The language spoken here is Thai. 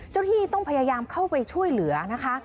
ที่ต้องพยายามเข้าไปช่วยเหลือนะคะ